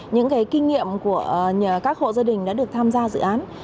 những kinh nghiệm của các hộ gia đình đã được tham gia dự án